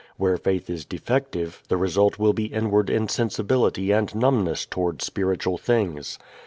Where faith is defective the result will be inward insensibility and numbness toward spiritual things.